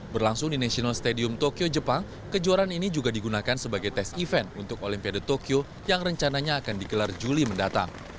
berlangsung di national stadium tokyo jepang kejuaraan ini juga digunakan sebagai tes event untuk olimpiade tokyo yang rencananya akan digelar juli mendatang